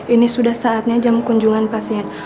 ini sudah saatnya jam kunjungan pasien